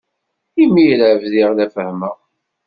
Imir-a bdiɣ la fehhmeɣ.